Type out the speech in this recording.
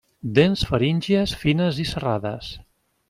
Dents faríngies fines i serrades.